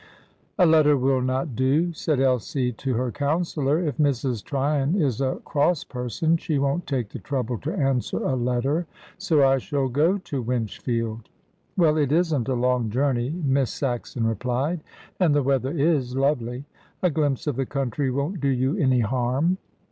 "A Letter will not do," said Elsie to her counsellor. "If Mrs. Tryon is a cross person she won't take the trouble to answer a letter. So I shall go to Winchfield." "Well, it isn't a long journey," Miss Saxon replied, "and the weather is lovely. A glimpse of the country won't do you any harm."